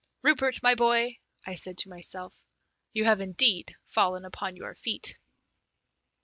"Rupert, my boy," I said to myself, "you have indeed fallen upon your feet!"